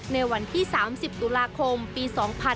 ในวันที่๓๐ตุลาคมปี๒๕๕๙